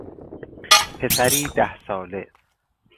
پسری ده ساله